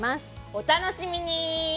お楽しみに！